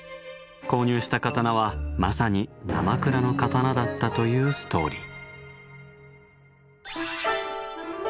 購入した刀はまさになまくらの刀だったというストーリー。